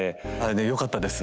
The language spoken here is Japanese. よかったです。